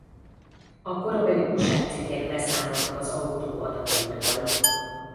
A korabeli újságcikkek beszámoltak az autó adatairól.